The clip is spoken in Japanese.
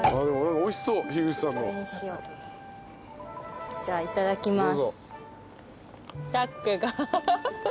おいしそう樋口さんの。じゃあいただきます。